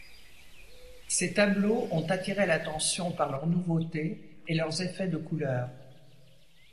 Ses tableaux ont attiré l'attention par leur nouveauté et leurs effets de couleurs.